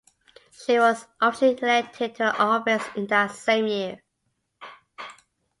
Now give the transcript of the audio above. She was officially elected to the office in that same year.